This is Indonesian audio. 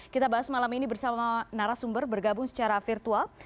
kita bahas malam ini bersama narasumber bergabung secara virtual